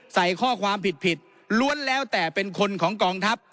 ใส่ข้อความผิดผิดล้วนแล้วแต่เป็นคนของกองทัพ